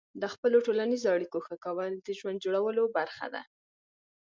د خپلو ټولنیزو اړیکو ښه کول د ژوند جوړولو برخه ده.